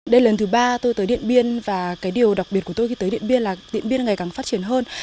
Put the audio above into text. đến lần thứ ba tôi tới điện biên và cái điều đặc biệt của tôi khi tới điện biên là điện biên ngày càng phát triển hơn